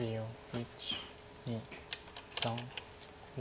１２３４。